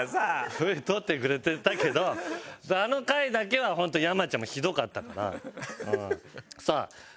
Ｖ撮ってくれてたけどあの会だけは本当山ちゃんもひどかったから。